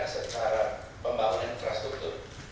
dikerjakan secara pembangun infrastruktur